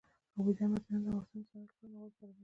اوبزین معدنونه د افغانستان د صنعت لپاره مواد برابروي.